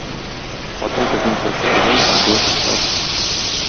Хатын-кызның чәче озын, акылы кыска.